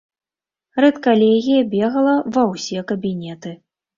Рэдкалегія бегала ва ўсе кабінеты.